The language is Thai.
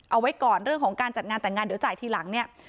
เอาไว้ก่อนเรื่องของการจัดงานแต่งงานเดี๋ยวจ่ายทีหลังเนี่ย